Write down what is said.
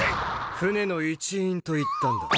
「船の一員」と言ったんだ。